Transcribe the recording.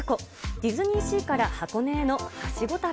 ディズニーシーから箱根へのはしご旅。